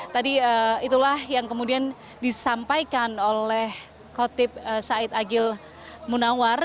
tadi itulah yang kemudian disampaikan oleh khotib said agil munawar